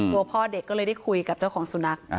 พ่อเด็กก็เลยได้คุยกับเจ้าของสุนัข